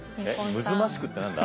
「むずましく」って何だ？